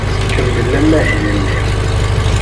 Tkemmel amahil-nni.